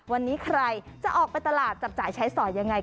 วันนี้ใครจะออกไปตลาดจับจ่ายใช้สอยยังไง